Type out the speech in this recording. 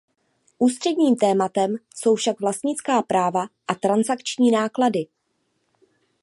Ústředním tématem jsou však vlastnická práva a transakční náklady.